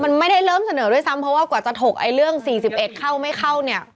มันไม่ได้เริ่มเสนอด้วยซ้ำเพราะว่ากว่าจะถกไอ้เรื่อง๔๑เข้าไม่เข้าเนี่ย